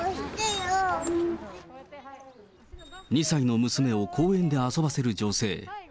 ２歳の娘を公園で遊ばせる女性。